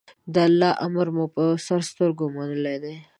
د الله امر مو په سر سترګو منلی دی.